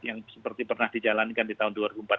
yang seperti pernah dijalankan di tahun dua ribu empat belas